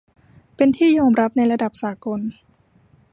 เป็นที่ยอมรับในระดับสากล